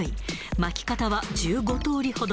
巻き方は１５通りほど。